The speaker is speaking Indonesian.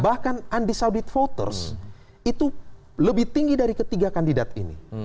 bahkan undecided voters itu lebih tinggi dari ketiga kandidat ini